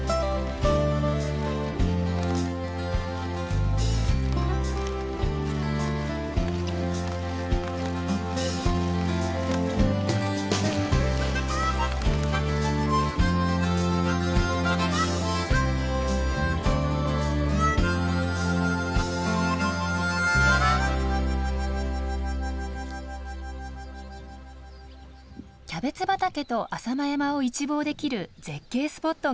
キャベツ畑と浅間山を一望できる絶景スポットがありました。